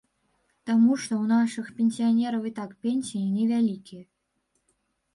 Таму што ў нашых пенсіянераў і так пенсіі невялікія.